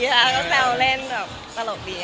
ก็เลยเอาข้าวเหนียวมะม่วงมาปากเทียน